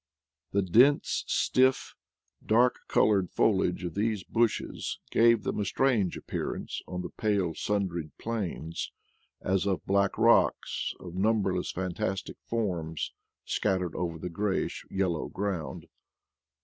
The dense, stiff, dark colored foliage of these bushes give them a strange appearance on the pale sundried plains, as of black rocks of num berless fantastic forms scattered over the grayish yellow ground.